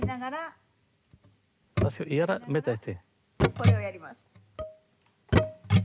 これをやります。